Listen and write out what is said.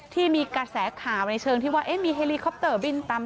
ที่มีกระแสข่าวในเชิงที่ว่ามีเฮลีคอปเตอร์บินตาม